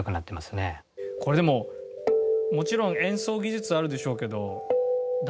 これでももちろん演奏技術あるでしょうけど。